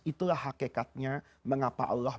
itulah hakikatnya mengapa allah